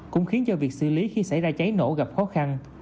cũng khiến cho việc xử lý khi xảy ra cháy nổ gặp khó khăn